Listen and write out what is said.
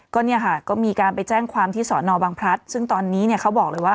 ก็เนี่ยค่ะก็มีการไปแจ้งความที่สอนอบังพลัดซึ่งตอนนี้เนี่ยเขาบอกเลยว่า